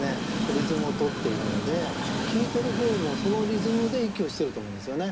リズムを取っているので聞いてる方もそのリズムで息をしてると思うんですよね。